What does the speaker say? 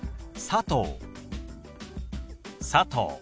「佐藤」。